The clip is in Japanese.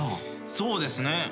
そうですね。